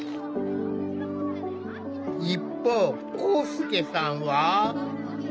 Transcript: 一方光祐さんは？